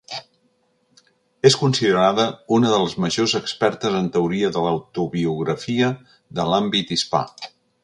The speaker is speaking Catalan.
És considerada una de les majors expertes en teoria de l'autobiografia de l'àmbit hispà.